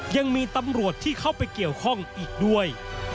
ยังมีตำรวจที่เข้าไปเกี่ยวข้องอีกด้วย